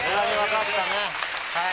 はい。